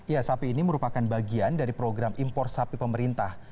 ya sapi ini merupakan bagian dari program impor sapi pemerintah